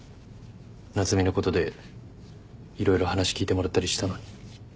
夏海のことで色々話聞いてもらったりしたのに。